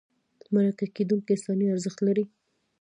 مرکه کېدونکی انساني ارزښت لري.